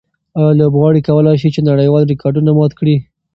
آیا لوبغاړي کولای شي چې نړیوال ریکارډونه مات کړي؟